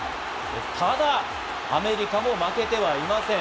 ただ、アメリカも負けてはいません。